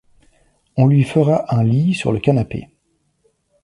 On lui fera un lit sur le canapé.